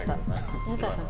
犬飼さん